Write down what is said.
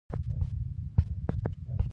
ښایي لاندې کرښې په دې برخه کې مرسته وکړي